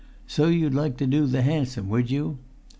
. "So you'd like to do the handsome, would you?"